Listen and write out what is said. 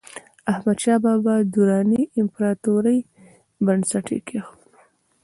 احمدشاه بابا د دراني امپراتورۍ بنسټ یې کېښود.